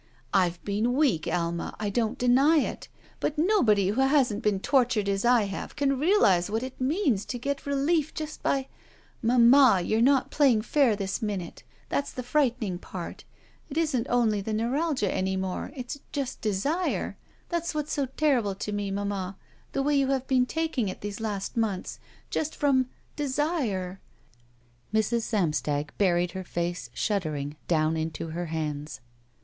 "I've been weak. Alma; I don't deny it. But 26 SHE WALKS IN BEAUTY nobody who hasn't been tortured as I have can realize what it means to get relief just by —" "Mamma, you're not playing utir thLs minute.* That's the frightening part. It isn't only the neu ralgia any more. It's just desire. That's what's so terrible to me, mamma. The way you have been taking it these last months. Just frx)m — desire." Mrs. Samstag buried her face, shuddering, down into her hands.